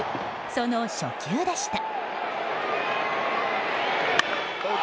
その初球でした。